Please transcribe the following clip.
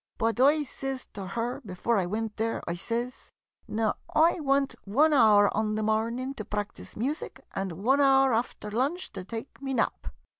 But I sez to her before I wint there — I sez, " Now, I want one hour on the mornin' to practise music, and one hour after lunch to take me nap.